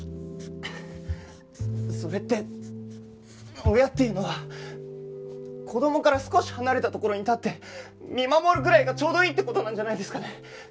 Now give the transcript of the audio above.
それって親っていうのは子供から少し離れたところに立って見守るぐらいがちょうどいいって事なんじゃないですかね？